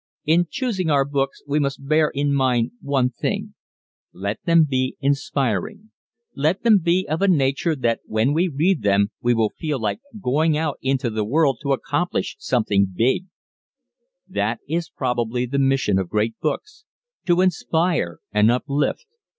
In choosing our books we must bear in mind one thing let them be inspiring. Let them be of such a nature that when we read them we will feel like going out into the world to accomplish something big! That is probably the mission of great books to inspire and uplift.